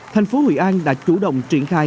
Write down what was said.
thành phố hội an đã chủ động triển khai